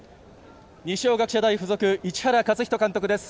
二松学舎大付属市原勝人監督です。